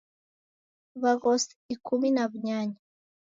W'aghosi ikumi na w'unyanya.